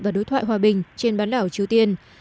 và đối thoại hòa bình trên bán đảo triều tiên